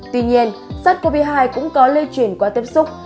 tuy nhiên sars cov hai cũng có lây chuyển qua tiếp xúc